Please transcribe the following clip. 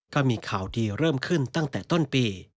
ก็มีข่าวดีเริ่มขึ้นตั้งแต่ต้นปี